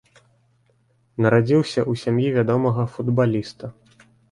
Нарадзіўся ў сям'і вядомага футбаліста.